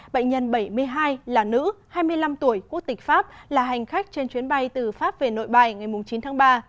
bệnh nhân bảy mươi hai là nữ hai mươi năm tuổi quốc tịch pháp là hành khách trên chuyến bay từ pháp về nội bài ngày chín tháng ba